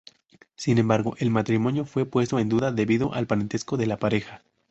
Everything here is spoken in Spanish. Sin embargo, el matrimonio fue puesto en duda debido al parentesco de la pareja.